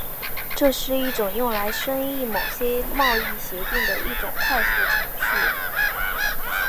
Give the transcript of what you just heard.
这是一种用来审议某些贸易协定的一种快速程序。